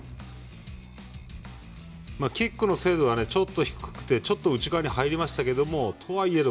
キックの精度がちょっと低くてちょっと内側に入りましたけどとは言えど